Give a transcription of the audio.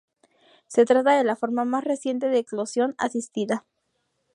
Se trata de la forma más reciente de eclosión asistida.